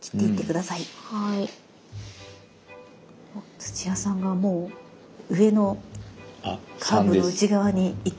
土屋さんがもう上のカーブの内側にいっていますね？